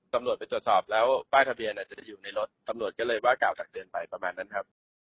ตำรวจไปตรวจสอบแล้วป้ายทะเบียนอาจจะได้อยู่ในรถตำรวจก็เลยว่ากล่าวตักเตือนไปประมาณนั้นครับ